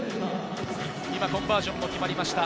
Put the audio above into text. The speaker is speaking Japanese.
コンバージョンも決まりました。